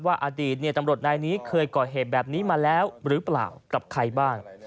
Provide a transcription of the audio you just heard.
อดีตตำรวจนายนี้เคยก่อเหตุแบบนี้มาแล้วหรือเปล่ากับใครบ้าง